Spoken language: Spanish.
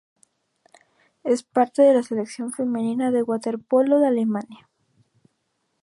Es parte de la Selección femenina de waterpolo de Alemania.